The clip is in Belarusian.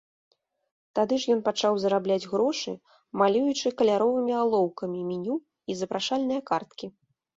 Тады ж ён пачаў зарабляць грошы, малюючы каляровымі алоўкамі меню і запрашальныя карткі.